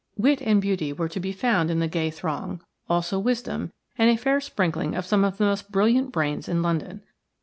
Wit and beauty were to be found in the gay throng, also wisdom, and a fair sprinkling of some of the most brilliant brains in London.